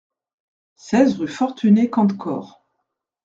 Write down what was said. seize rue Fortuné Cantecor